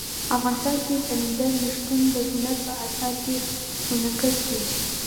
افغانستان کې سمندر نه شتون د هنر په اثار کې منعکس کېږي.